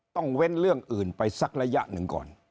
เว้นเรื่องอื่นไปสักระยะหนึ่งก่อน